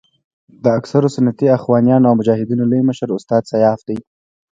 د اکثرو سنتي اخوانیانو او مجاهدینو لوی مشر استاد سیاف دی.